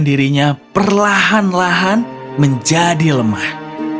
dan dirinya perlahan lahan menjadi lemah